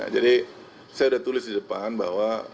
jadi saya udah tulis di depan bahwa